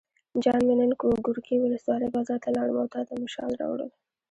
جان مې نن ګورکي ولسوالۍ بازار ته لاړم او تاته مې شال راوړل.